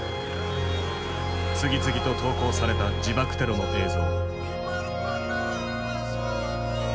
次々と投稿された自爆テロの映像。